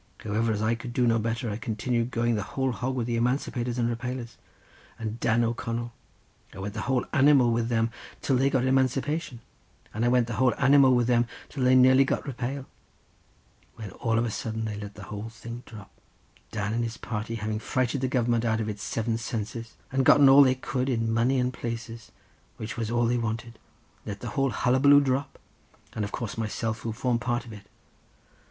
However as I could do no better I continued going the whole hog with the emancipators and repalers and Dan O'Connell; I went the whole animal with them till they had got emancipation; and I went the whole animal with them till they nearly got repale—when all of a sudden they let the whole thing drop—Dan and his party having frighted the Government out of its seven senses, and gotten all they thought they could get, in money and places, which was all they wanted, let the whole hullabaloo drop, and of course myself, who formed part of it.